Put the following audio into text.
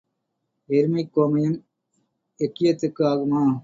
எருமைக் கோமயம் எக்கியத்துக்கு ஆகுமா?